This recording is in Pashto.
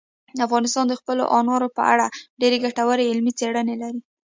افغانستان د خپلو انارو په اړه ډېرې ګټورې علمي څېړنې لري.